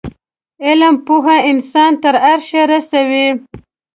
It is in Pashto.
علم پوه انسان تر عرشه رسوی